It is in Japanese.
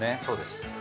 そうです。